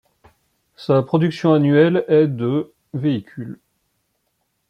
Sa production annuelle est de véhicules.